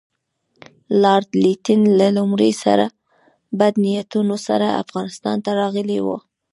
لارډ لیټن له لومړي سره بد نیتونو سره افغانستان ته راغلی وو.